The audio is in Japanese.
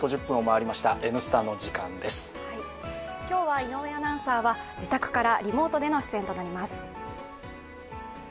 今日は井上アナウンサーは自宅からリモートでの出演となります。